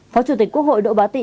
phó chủ tịch quốc hội đỗ bá tị